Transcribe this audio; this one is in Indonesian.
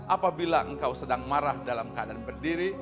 apabila engkau sedang marah dalam keadaan berdiri